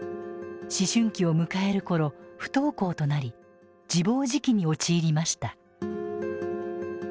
思春期を迎える頃不登校となり自暴自棄に陥りました。